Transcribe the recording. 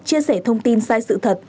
chia sẻ thông tin sai sự thật